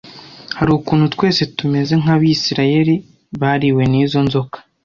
Hari ukuntu twese tumeze nk’Abisirayeli bariwe n’izo nzoka